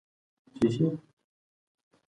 که موږ یووالی ولرو نو پرمختګ کوو.